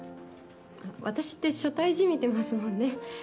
私って所帯じみてますもんね。